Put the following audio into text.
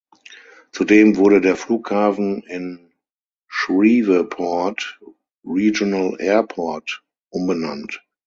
Zudem wurde der Flughafen in Shreveport Regional Airport umbenannt.